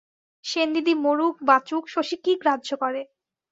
সেনদিদি মরুক বাঁচুক শশী কি গ্রাহ্য করে।